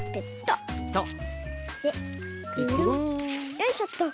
よいしょっと。